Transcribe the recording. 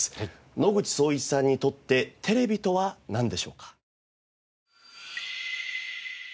野口聡一さんにとってテレビとはなんでしょうか？